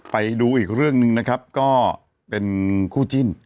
ไปดูอีกเรื่องหนึ่งนะครับก็เป็นคู่จิ้น